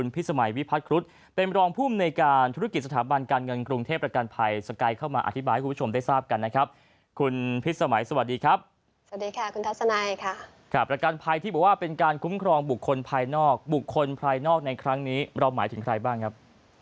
ประกันภัยสกายเข้ามาอธิบายที่บอกว่าเป็นการคุ้มครองบุคคลภายนอกบุคคลภายนอกในครั้งนี้เราหมายถึงใครบ้างครับ